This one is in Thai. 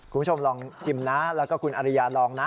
คุณผู้ชมลองชิมนะแล้วก็คุณอริยาลองนะ